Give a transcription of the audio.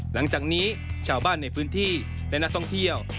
หลังจากนี้ชาวบ้านในพื้นที่และนักท่องเที่ยว